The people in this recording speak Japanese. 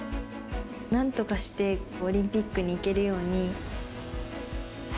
なんとかしてオリンピックに行けるように。